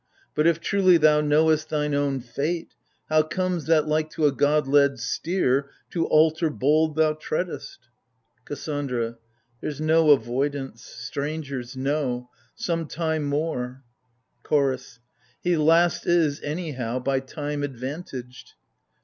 But if truly Thou knowest thine own fate, how comes that, like to A god led steer, to altar bold thou treadest ? KASSANDRA. There's no avoidance, — strangers, no ! Some time more ! CHORDS. He last is, anyhow, by time advantaged.